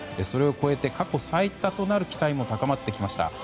それを超えて過去最多となる期待も高まってきました。